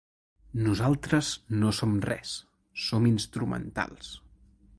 Nosaltres no som res, som instrumentals.